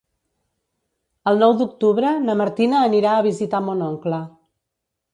El nou d'octubre na Martina anirà a visitar mon oncle.